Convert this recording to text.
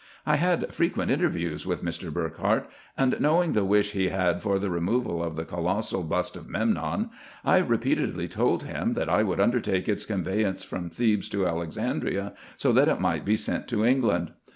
I had frequent interviews with Mr. Burckhardt ; and, knowing the wish he had for the removal of the colossal bust of Mcmnon, I repeatedly told him that I would undertake its conveyance from Thebes to Alexandria, so that it might be sent to England.